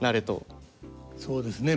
そうですね。